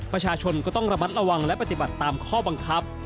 ประชาชนก็ต้องระมัดระวังและปฏิบัติตามข้อบังคับ